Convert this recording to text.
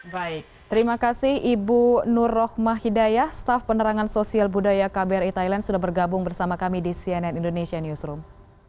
baik terima kasih ibu nur rohmah hidayah staff penerangan sosial budaya kbri thailand sudah bergabung bersama kami di cnn indonesia newsroom